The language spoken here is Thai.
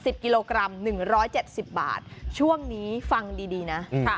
กิโลกรัมหนึ่งร้อยเจ็ดสิบบาทช่วงนี้ฟังดีดีนะค่ะ